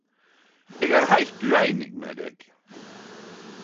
Eg er heilt ueinig med deg.